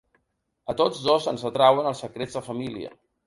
A tots dos ens atrauen els secrets de família.